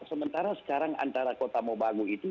sementara sekarang antara kota mobagu itu